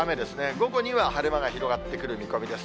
午後には晴れ間が広がってくる見込みです。